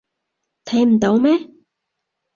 睇唔到咩？